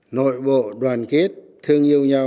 nội bộ đoàn kết thương yêu nhau